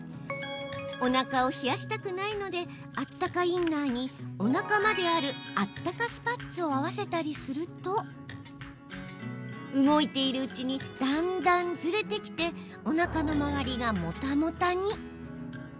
おなかを冷やしたくないのであったかインナーにおなかまであるあったかスパッツを合わせたりすると動いているうちにだんだんずれてきておなかのまわりがモタモタに。